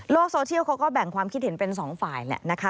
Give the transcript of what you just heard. โซเชียลเขาก็แบ่งความคิดเห็นเป็นสองฝ่ายแหละนะคะ